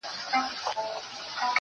حدِاقل چي ته مي باید پُخلا کړې وای,